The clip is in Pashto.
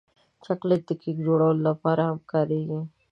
چاکلېټ د کیک جوړولو لپاره هم کارېږي.